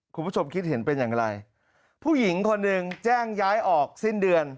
คุณผู้ชมคิดเห็นเป็นอย่างไรผู้หญิงคนหนึ่งแจ้งย้ายออกสิ้นเดือน